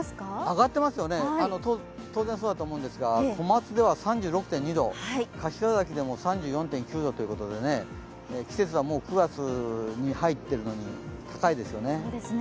上がってますよね、当然そうだと思うんですが小松では３６．２度柏崎でも３４．９度で季節はもう９月に入ってるのに、高いですよね。